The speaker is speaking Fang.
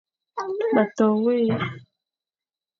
Ma to wé,